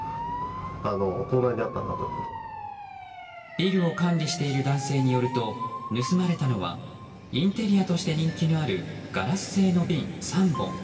ビルを管理している男性によると盗まれたのはインテリアとして人気のあるガラス製の瓶３本。